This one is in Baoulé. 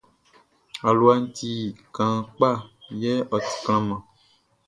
Aluaʼn ti kaan kpa yɛ ɔ ti klanman.